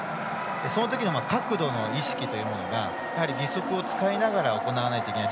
そのときの角度の意識というのが義足を使いながら行わないといけない。